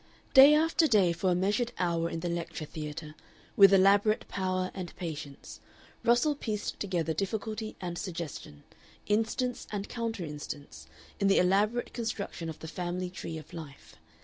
Day after day for a measured hour in the lecture theatre, with elaborate power and patience, Russell pieced together difficulty and suggestion, instance and counter instance, in the elaborate construction of the family tree of life.